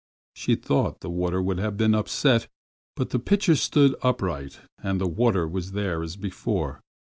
She thought the water would have been upset, but the pitcher stood upright and the water was there as before.